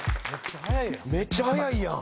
めっちゃ早いやん。